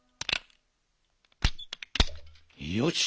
よし。